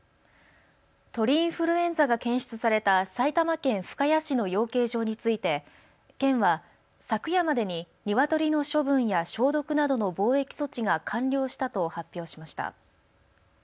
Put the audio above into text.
鳥インフルエンザが検出された埼玉県深谷市の養鶏場について県は昨夜までにニワトリの処分や消毒などの防疫措置が完了したと発表しました。